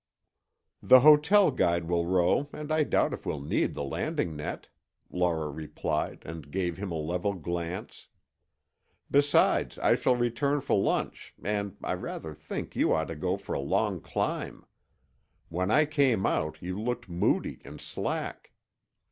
"The hotel guide will row and I doubt if we'll need the landing net," Laura replied and gave him a level glance. "Besides, I shall return for lunch and I rather think you ought to go for a long climb. When I came out, you looked moody and slack."